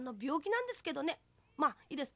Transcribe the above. まあいいです。